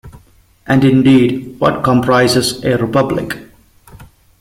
And indeed, what comprises a Republic?